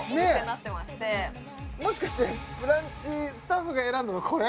もしかしてブランチスタッフが選んだのこれ？